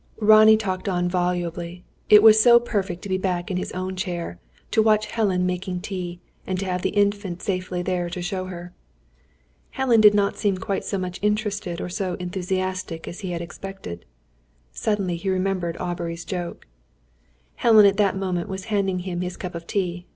Ronnie talked on volubly. It was so perfect to be back in his own chair; to watch Helen making tea; and to have the Infant safely there to show her. Helen did not seem quite so much interested or so enthusiastic as he had expected. Suddenly he remembered Aubrey's joke. Helen at that moment was handing him his cup of tea.